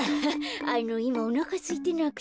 あのいまおなかすいてなくて。